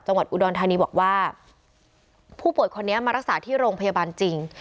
จังหวัดอุดรธานีบอกว่าผู้ป่วยคนนี้มารักษาที่โรงพยาบาลจริง